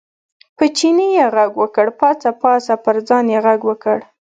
په چیني یې غږ وکړ، پاڅه پاڅه، پر ځان یې غږ وکړ.